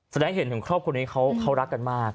แสดงให้เห็นถึงครอบครัวนี้เขารักกันมาก